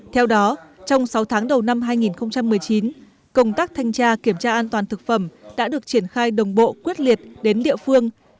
theo đó trong sáu tháng đầu năm hai nghìn một mươi chín công tác thanh tra kiểm tra an toàn thực phẩm đã được triển khai đồng bộ quyết liệt đến địa phương